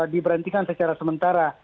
diberhentikan secara sementara